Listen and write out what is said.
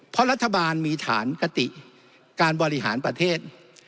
เพราะรัฐบาลมีฐานกติการบริหารประเทศ